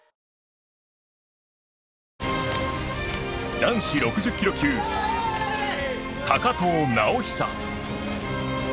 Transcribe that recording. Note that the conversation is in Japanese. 男子６０ｋｇ級高藤直寿。